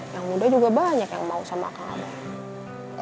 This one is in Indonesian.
yang muda juga banyak yang mau sama aka ngewok